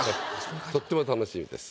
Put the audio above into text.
とっても楽しみです。